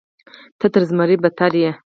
ته تر زمري بدتر یې.